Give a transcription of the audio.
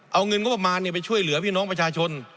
เอาเงินงบประมาณไปช่วยเหลือพี่น้องประชาชน